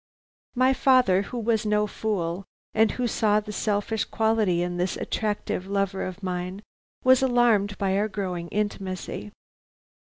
"My father, who was no fool, and who saw the selfish quality in this attractive lover of mine, was alarmed by our growing intimacy.